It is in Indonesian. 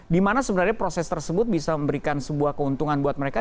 dimana sebenarnya proses tersebut bisa memberikan sebuah keuntungan buat mereka